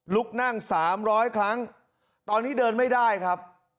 ลุกนั่ง๓๐๐ครั้งตอนนี้เดินไม่ได้ครับ